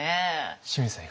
清水さん